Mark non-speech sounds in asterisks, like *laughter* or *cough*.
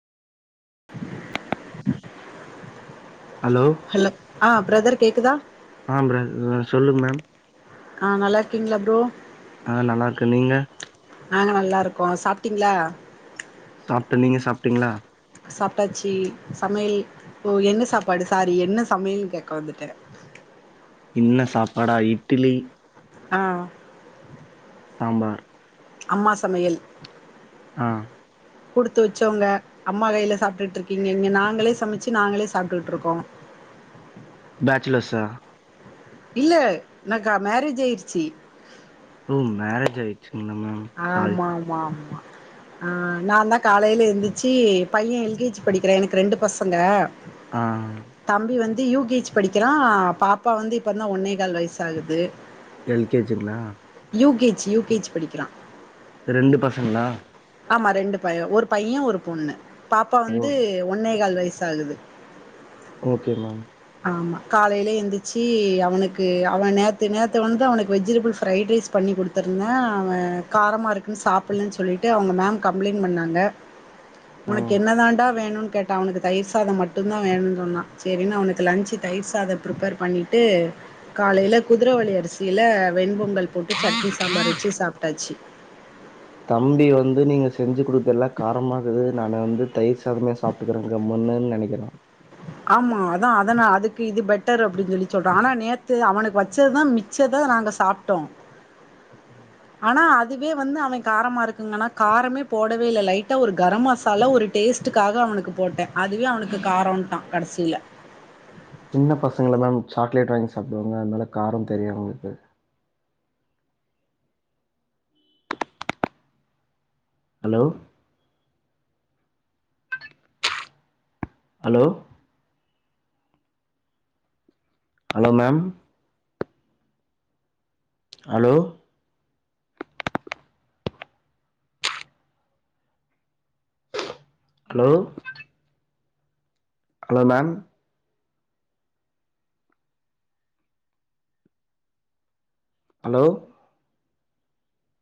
allow ஆ brother கேக்குதா ஆ பிர அ சொல்லுங்க மேம் ஆ நல்லாருக்கிங்ளா ப்ரோ அதா நல்லா இருக்கே நீங்க நாங்க நல்லாருக்கோ சாப்டிங்ளா சாப்ட நீங்க சாப்டிங்களா சாப்டாச்சி சமையல் ஓ என்ன சாப்பாடு சாரி என்ன சமையல்ன் கேட்க வந்துட்டே என்ன சாப்பாடா இட்டுலி ஆ சாம்பார் அம்மா சமையல் ஆ குடுத்து வச்சவங்க அம்மா கையில சாப்பிட்டுட்டு இருக்கீங்க இங்க நாங்களே சமைச்சு நாங்களே சாப்பிட்டுட்டு இருக்கோ பேச்சலர்ஸா இல்ல எனக்கு மேரேஜ் ஆயிடுச்சி ஒ மேரேஜ் ஆயிடுச்சுங்களா மேம் சாரி ஆமா ஆமா ஆமா ஆ நா தா காலையில எந்திரிச்சு பைய எல் கே ஜி படிக்கிறா எனக்கு ரெண்டு பசங்க ஆ தம்பி வந்து யூ கே ஜி படிக்கிறா பாப்பா வந்து இப்போதா ஒன்னே கால் வயசு ஆகுது எல் கே ஜிங்களா U K G U K G படிக்கிறா ரெண்டு பசங்களா ஆமா ரெண்டு பைய ஒரு பைய ஒரு பொண்ணு பாப்பா ஓ வந்து ஒன்னேகால் வயசு ஆகுது ஓகே மேம் ஆமா காலையில எந்திரச்சு அவனுக்கு அவ நேத்து நேத்து வந்து அவனுக்கு வெஜிடபுள் ஃரைட் ரைஸ் பண்ணி கொடுத் கொடுத்திருந்தே அவ காரமா இருக்குன்னு சாப்பிட்லன்னு சொல்லிட்டு அவங்க மேம் கம்ப்ளைண்ட் பண்ணாங்க உனக்கு ம் என்ன தாண்டா வேணுன்னு கேட்ட அவனுக்கு தயிர் சாதோ மட்டு தா வேணும்னு சொன்னா சரின்னு அவனுக் லன்ச்சு தயிர் சாதோ ப்ரிப்பேர் பண்ணிட்டு காலையில குதிரைவாலி அரிசியில வெண்பொங்கல் போட்டு சட்னி சாம்பார் வச்சு சாப்ட்டாச்சு தம்பி வந்து நீங்க செஞ்சு கொடுத்ததெல்லா காரமா இருந்தது நாங்க வந்து தயிர் சாதமே சாப்பிட்டுக்கறாங்கன்னு *unintelligible* நெனைக்கிறோ ஆமா அதா அதன அதுக்கு இது பெட்டர் அப்டின்னு சொல்லி சொல்றா ஆனா நேத்து அவனுக்கு வச்சதுதா மி மிச்சத நாங்க சாப்பிட்டோ ஆனா அதுவே வந்து அவே காரமா இருக்குங்கன்னா காரமே போடவே இல்ல லைட்டா ஒரு கரம் மசாலா ஒரு டேஸ்ட்டுக்காக அவனுக்கு போட்டே அதுவே அவனுக்கு காரன்ட்டா கடைசில சின்ன பசங்கள தா சாக்லேட் சாப்பிடுவாங்க அதனாலே காரம் தெரியு அவங்களுக்கு hello hello hello ma'am hello hello hello ma'am hello